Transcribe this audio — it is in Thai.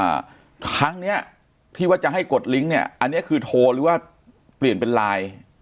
อ่าครั้งเนี้ยที่ว่าจะให้กดลิงค์เนี้ยอันเนี้ยคือโทรหรือว่าเปลี่ยนเป็นไลน์